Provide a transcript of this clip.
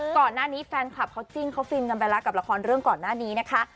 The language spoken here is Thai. ก่อนหน้านี้แฟนคลับเขาจิ้นเขาฟินกันไปแล้วกับละครเรื่องก่อนหน้านี้นะคะ